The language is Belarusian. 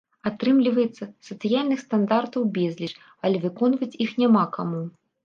Атрымліваецца, сацыяльных стандартаў безліч, але выконваць іх няма каму.